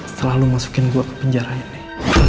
setelah lu masukin gue ke penjara ini